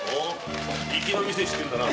粋な店知ってるな。